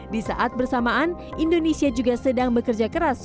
di saat bersamaan indonesia juga sedang bekerja keras